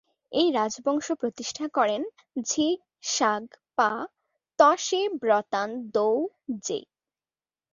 এই রাজবংশ প্রতিষ্ঠা করেন ঝিগ-শাগ-পা-ত্শে-ব্র্তান-র্দো-র্জে।